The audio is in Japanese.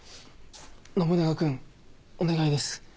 信長君お願いです。